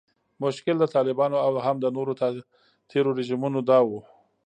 مشکل د طالبانو او هم د نورو تیرو رژیمونو دا و